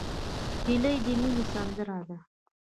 هیلۍ د مینې سندره ده